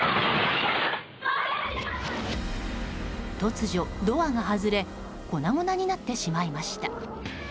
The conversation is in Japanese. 突如ドアが外れ粉々になってしまいました。